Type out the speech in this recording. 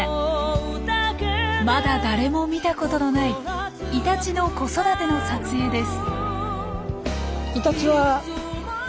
まだ誰も見たことのないイタチの子育ての撮影です。